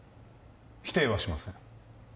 否定はしません